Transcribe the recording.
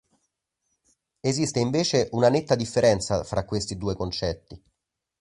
Esiste invece una netta differenza fra questi due concetti.